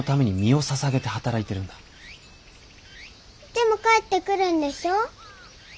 でも帰ってくるんでしょ？